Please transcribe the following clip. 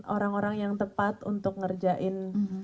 orang orang yang tepat untuk ngerjain